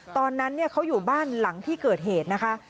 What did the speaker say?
ตอนนั้นเขาอยู่บ้านหลังที่เกิดเหตุนะคะ